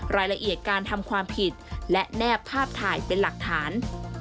รายละเอียดการทำความผิดและแนบภาพถ่ายเป็นหลักฐาน